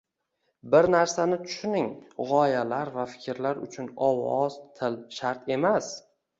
Bir narsani tushuning, g‘oyalar va fikrlar uchun ovoz, til shart emas.